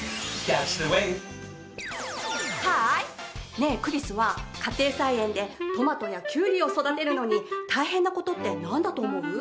ねえクリスは家庭菜園でトマトやキュウリを育てるのに大変な事ってなんだと思う？